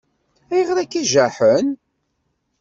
Ayɣer akka i jaḥen?